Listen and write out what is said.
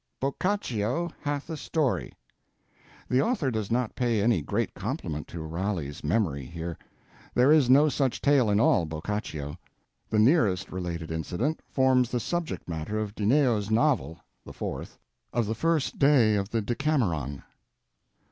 "'BOCCACCIO HATH A STORY" The author does not pay any great compliment to Raleigh's memory here. There is no such tale in all Boccaccio. The nearest related incident forms the subject matter of Dineo's novel (the fourth) of the First day of the Decameron.